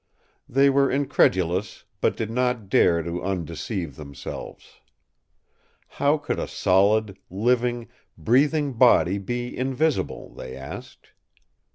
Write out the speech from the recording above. They were incredulous, but did not dare to undeceive themselves. How could a solid, living, breathing body be invisible, they asked.